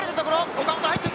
岡本入っていく。